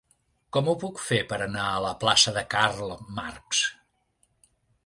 Com ho puc fer per anar a la plaça de Karl Marx?